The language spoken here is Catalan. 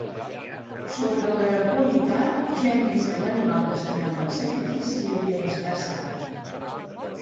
Sobre la qualitat, ja hem vist que l'animal destinat al sacrifici havia d'estar sa.